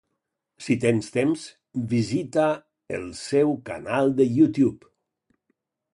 Si tens temps, visita el seu canal de YouTube.